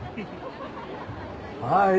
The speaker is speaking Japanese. はい。